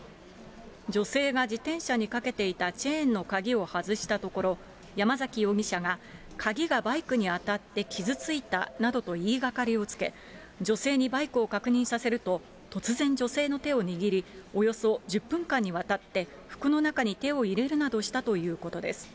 女性が自転車にかけていたチェーンの鍵を外したところ、山崎容疑者が鍵がバイクに当たって傷ついたなどと言いがかりをつけ、女性にバイクを確認させると、突然女性の手を握り、およそ１０分間にわたって、服の中に手を入れるなどしたということです。